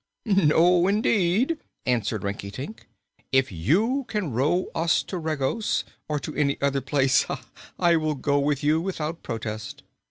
"No, indeed," answered Rinkitink. "If you can row us to Regos, or to any other place, I will go with you without protest."